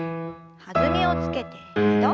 弾みをつけて２度。